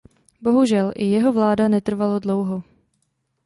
Bohužel i jeho vláda netrvalo dlouho.